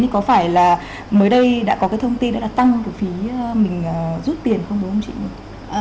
thì có phải là mới đây đã có cái thông tin đã tăng của phí mình rút tiền không đúng không chị